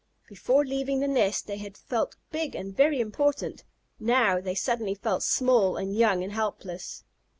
Before leaving the nest they had felt big and very important; now they suddenly felt small and young and helpless.